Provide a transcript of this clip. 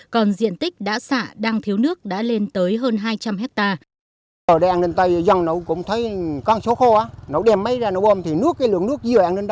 còn diện tích đã xạ đang thiếu nước đã lên tới hơn hai trăm linh hectare